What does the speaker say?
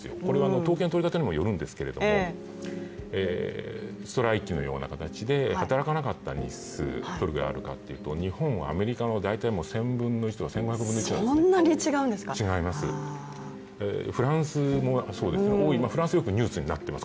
統計の取り方にもよるんですけどストライキのような形で働かなかった日数、どれぐらいあるかというと日本はアメリカの１０００分の１とか１５００分の１とかなんです。フランスではよくニュースになっています。